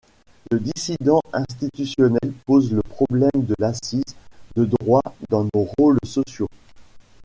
Le dissident institutionnel pose le problème de l’assise de droit dans nos rôles sociaux.